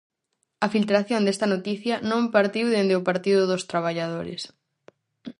A filtración desta noticia non partiu dende o Partido dos Traballadores.